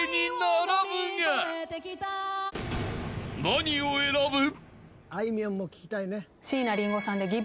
［何を選ぶ？］